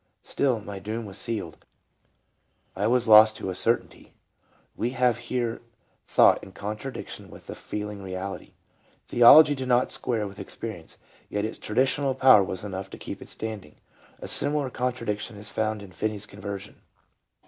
Still my doom was sealed. I was lost to a certainty. ..." We have here thought in contradiction with a feeling reality. Theology did not square with ex perience, yet its traditional power was enough to keep it standing. A similar contradiction is found in Finney's conversion.